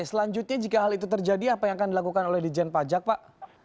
selanjutnya jika hal itu terjadi apa yang akan dilakukan oleh dijen pajak pak